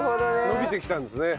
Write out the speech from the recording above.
伸びてきたんですね。